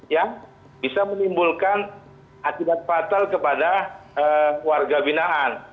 yang bisa menimbulkan akibat fatal kepada warga binaan